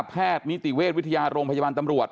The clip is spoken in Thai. แพทย์มิติเวทย์วิทยาโรงพยาบาลตำรวจ